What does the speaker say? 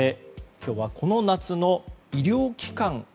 今日はこの夏の医療機関